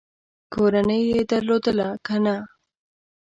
کورنۍ یې درلودله که نه ؟